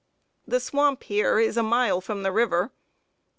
] The swamp here is a mile from the river.